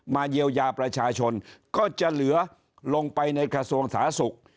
เยียวยาประชาชนก็จะเหลือลงไปในกระทรวงสาธารณสุข